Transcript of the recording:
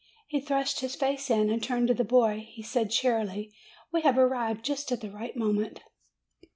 He thrust his face in, and turning to the boy, he said cheerfully, "We have arrived just at the right moment."